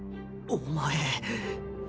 お前。